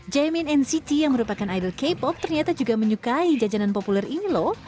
jamin nct yang merupakan idol k pop ternyata juga menyukai jajanan populer ini loh